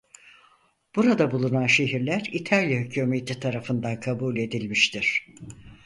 Burada bulunan şehirler İtalya hükûmeti tarafından kabul edilmiştir.